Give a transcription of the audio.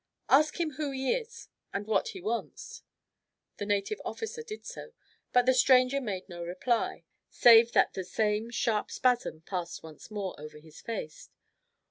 "Ask him who he is, and what he wants?" The native officer did so, but the stranger made no reply, save that the same sharp spasm passed once more over his face.